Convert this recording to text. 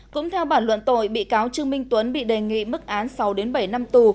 cũng theo bản luận tội bị cáo trương minh tuấn bị đề nghị mức án sáu bảy năm tù